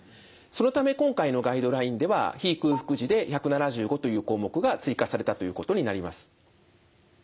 そのため今回のガイドラインでは非空腹時で１７５という項目が追加されたということになります。